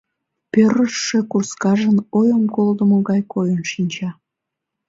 Пӧрыжшӧ курскажын ойым колдымо гай койын шинча.